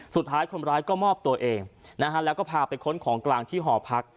สุดท้ายคนร้ายก็มอบตัวเองนะฮะแล้วก็พาไปค้นของกลางที่หอพัก